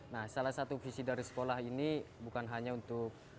nah salah satu visi dari sekolah ini bukan hanya untuk